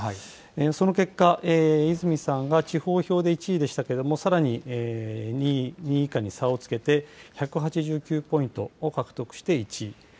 その結果、泉さんが地方票で１位でしたけれども、さらに２位以下に差をつけて、１８９ポイントを獲得して１位。